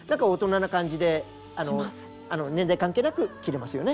年代関係なく着れますよね。